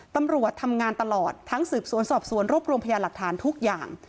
ตำรวจทำงานตลอดทั้งสืบสวนสอบสวนรวบรวมพยานหลักฐานทุกอย่าง